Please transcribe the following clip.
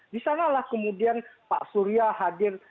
di sanalah kemudian pak surya hadir